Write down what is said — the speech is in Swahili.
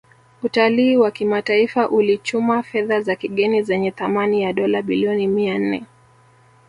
Utalii wa kimataifa ulichuma fedha za kigeni zenye thamani ya Dola bilioni mia nne